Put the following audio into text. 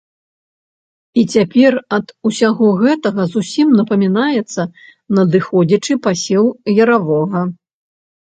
І цяпер ад усяго гэтага зусім напамінаецца надыходзячы пасеў яравога.